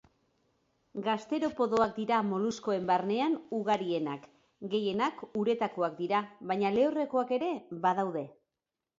Gasteropodoak dira moluskuen barnean ugarienak. Gehienak uretakoak dira, baina lehorrekoak ere badaude.